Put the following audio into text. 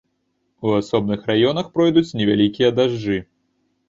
У асобных раёнах пройдуць невялікія дажджы.